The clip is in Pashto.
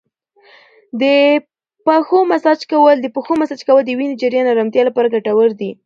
د پښو مساج کول د وینې د جریان او ارامتیا لپاره ګټور دی.